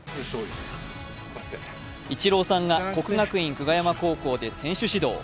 イチローさんが国学院久我山高校で選手指導。